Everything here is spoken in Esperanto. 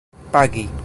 pagi